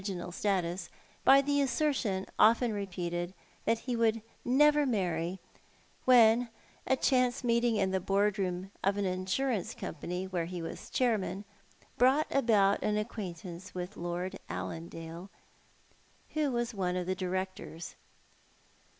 inal status, by the assertion, often repeated, that he never would marry, when a chance meeting in the board room of an insurance company, whore he was chairman, brought about an acquaintance with Lord Allandale, who was one of the directors.